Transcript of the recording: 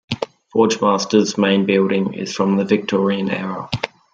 Forgemasters' main building is from the Victorian era.